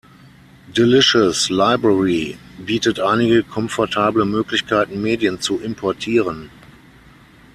Delicious Library bietet einige komfortable Möglichkeiten, Medien zu importieren.